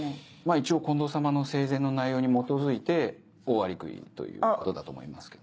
一応近藤様の生前の内容に基づいてオオアリクイということだと思いますけど。